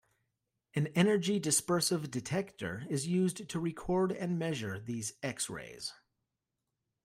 An energy dispersive detector is used to record and measure these X-rays.